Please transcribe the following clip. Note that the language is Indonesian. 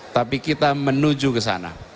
tapi kita menuju ke sana